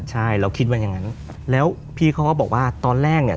ใช่เราคิดว่าอย่างนั้นแล้วพี่เขาก็บอกว่าตอนแรกเนี่ย